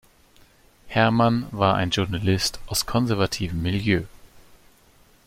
Herrmann war ein Journalist aus konservativem Milieu.